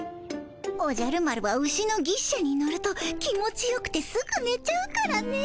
おじゃる丸は牛の牛車に乗ると気持ちよくてすぐねちゃうからね。